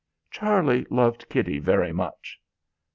Charlie loved Kitty very much.